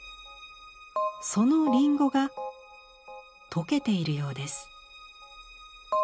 そのりんごが溶けているようです。